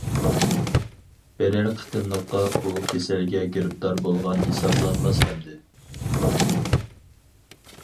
بىرەر قېتىملىققا ئۇ كېسەلگە گىرىپتار بولغان ھېسابلانماس ئەمدى.